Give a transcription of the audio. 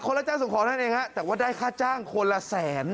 รับจ้างส่งของนั่นเองฮะแต่ว่าได้ค่าจ้างคนละแสน